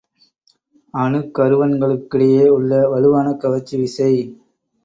அணுக்கருவன்களுக்கிடையே உள்ள வலுவான கவர்ச்சி விசை.